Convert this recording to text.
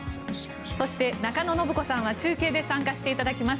そして、中野信子さんは中継で参加していただきます。